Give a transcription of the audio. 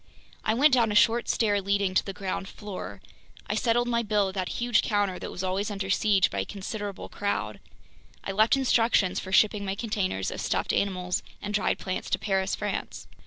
I went down a short stair leading to the ground floor. I settled my bill at that huge counter that was always under siege by a considerable crowd. I left instructions for shipping my containers of stuffed animals and dried plants to Paris, France.